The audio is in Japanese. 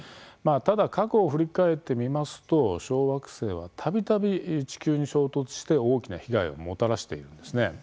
ただ、過去を振り返ってみますと小惑星はたびたび地球に衝突して大きな被害をもたらしているんです。